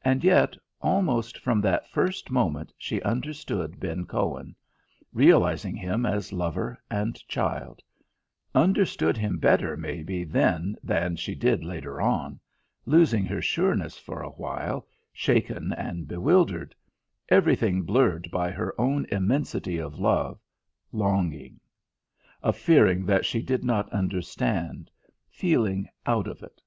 And yet, almost from that first moment, she understood Ben Cohen, realising him as lover and child: understood him better, maybe, then than she did later on: losing her sureness for a while, shaken and bewildered; everything blurred by her own immensity of love, longing; of fearing that she did not understand feeling out of it.